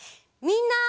みんな。